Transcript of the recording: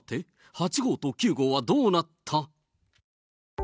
８号と９号はどうなった？